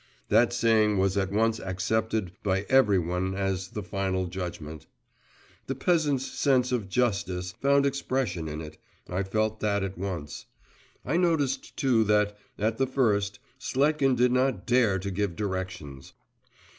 That saying was at once accepted by every one as the final judgment. The peasants' sense of justice found expression in it, I felt that at once. I noticed too that, at the first, Sletkin did not dare to give directions.